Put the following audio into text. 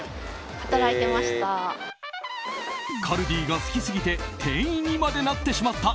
カルディが好きすぎて店員にまでなってしまった